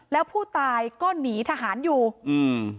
แล้วผู้ตายก็หนีทหารอยู่อืม